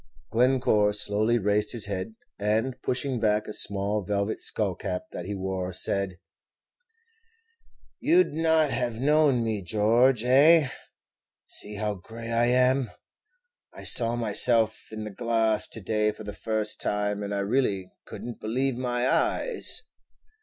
Glencore slowly raised his head, and, pushing back a small velvet skull cap that he wore, said, "You 'd not have known me, George. Eh? see how gray I am! I saw myself in the glass to day for the first time, and I really could n't believe my eyes."